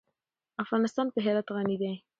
افغانستان په هرات غني دی.